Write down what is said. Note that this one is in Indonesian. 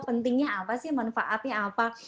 pentingnya apa sih manfaatnya apa